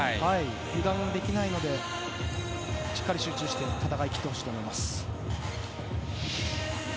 油断できないのでしっかり集中して戦い切ってほしいと思います。